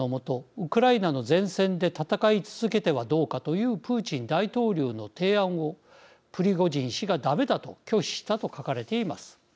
ウクライナの前線で戦い続けてはどうかというプーチン大統領の提案をプリゴジン氏が、だめだと拒否したと書かれています。